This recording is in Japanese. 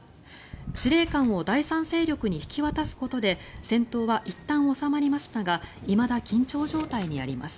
司令官を第三勢力に引き渡すことで戦闘はいったん収まりましたがいまだ緊張状態にあります。